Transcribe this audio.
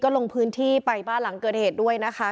ถัดทะเลาะทีวีก็ลงพื้นที่ไปบ้านหลังเกิดแห่งเอดด้วยนะคะ